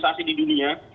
terkoneksialisasi di dunia